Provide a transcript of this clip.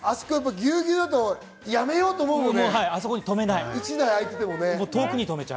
ぎゅうぎゅうだとやめようと思うもんね。